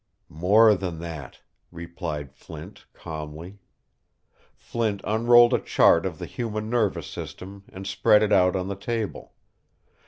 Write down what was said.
"More than that," replied Flint, calmly. Flint unrolled a chart of the human nervous system and spread it out on the table.